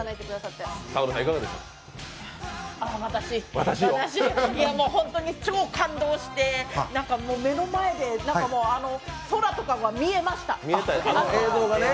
私、本当に超感動して目の前で空とかが見えました。